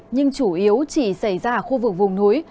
nhưng chủ yếu chỉ xảy ra ở khu vực vùng núi